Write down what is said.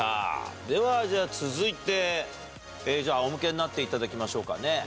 では、じゃあ続いて、じゃあ、あおむけになっていただきましょうかね。